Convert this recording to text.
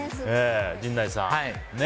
陣内さん。